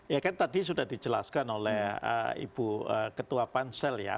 ya kan tadi sudah dijelaskan oleh ibu ketua pansel ya